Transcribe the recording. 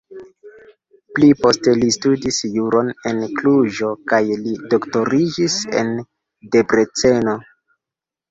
Pli poste li studis juron en Kluĵo kaj li doktoriĝis en Debreceno.